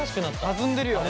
弾んでるよね。